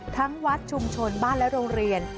วัดชุมชนบ้านและโรงเรียน